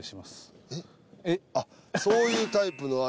┐叩あっそういうタイプの。